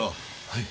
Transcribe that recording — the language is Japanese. はい。